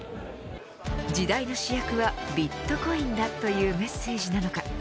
次代の主役はビットコインだというメッセージなのか。